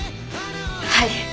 はい。